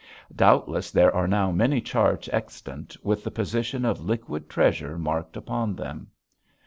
Doubtless there are now many charts extant with the position of liquid treasure marked upon them.